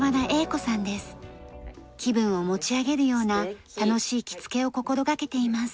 気分を持ち上げるような楽しい着付けを心掛けています。